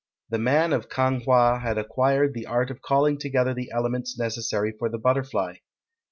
The man of Kang wha had acquired the art of calling together the elements necessary for the butterfly.